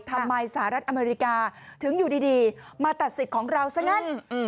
สหรัฐอเมริกาถึงอยู่ดีมาตัดสิทธิ์ของเราซะงั้น